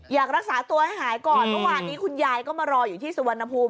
อยากรักษาตัวให้หายก่อนเมื่อวานนี้คุณยายก็มารออยู่ที่สุวรรณภูมิ